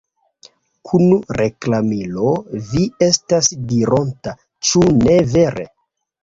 Kun reklamilo, vi estas dironta, ĉu ne vere!